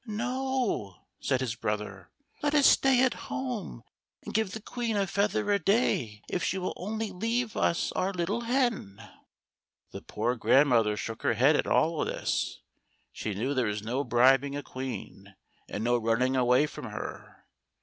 " No," said his brother, " let us stay at home, and give the Queen a feather a day if she will only leave us our little hen." The poor grandmother shook her head at all this. She knew there is no bribing a queen, and no running away from her.